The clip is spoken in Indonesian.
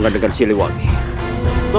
aku harus membantu